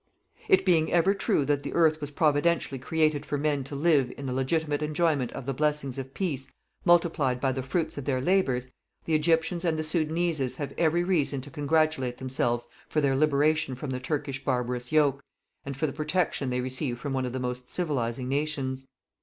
It being ever true that the earth was Providentially created for men to live in the legitimate enjoyment of the blessings of peace multiplied by the fruits of their labours, the Egyptians and the Soudaneses have every reason to congratulate themselves for their liberation from the Turkish barbarous yoke, and for the protection they receive from one of the most civilizing nations.